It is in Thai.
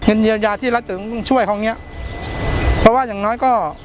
เยียวยาที่รัฐถึงต้องช่วยเขาเนี้ยเพราะว่าอย่างน้อยก็